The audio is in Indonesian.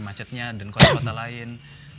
macetnya dan kota kota lain